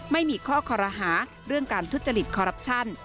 ไม่มีข้อคอรหาเรื่องการทุจริตคอรัปชั่น